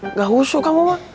nggak usuk kamu mah